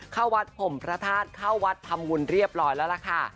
เข้าวัดผมพระธาตุเข้าวัดทำบุญเรียบร้อยแล้วล่ะค่ะ